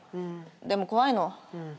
でも怖いの。